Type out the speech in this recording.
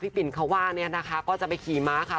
พี่ปิ่นเขาว่านะคะก็จะไปขี่ม้าค่ะ